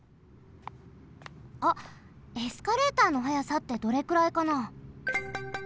あっエスカレーターの速さってどれくらいかな？